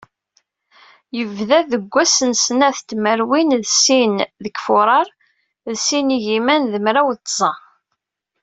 Yebda deg wass, n snat tmerwin d sin deg furar, sin yigiman d mraw d tẓa.